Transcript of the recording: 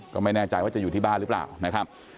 ก็ไม่แน่ใจว่าจะอยู่ที่บ้านหรือเปล่านะครับ